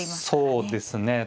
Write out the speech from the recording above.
そうですね。